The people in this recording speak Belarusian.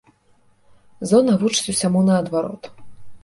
Зона вучыць усяму наадварот.